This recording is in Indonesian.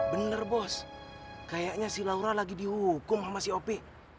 bener bos kayaknya si laura lagi dihukum sama si op